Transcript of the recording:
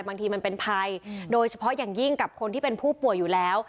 บางทีมันเป็นภัยโดยเฉพาะอย่างยิ่งกับคนที่เป็นผู้ป่วยอยู่แล้ว